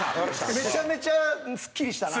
めちゃめちゃスッキリしたな！